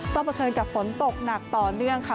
เผชิญกับฝนตกหนักต่อเนื่องค่ะ